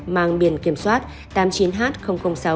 mang biển kiểm soát tám mươi chín h sáu trăm bốn mươi năm